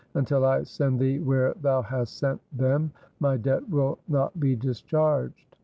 Until I send thee where thou hast sent them, my debt will not be discharged.'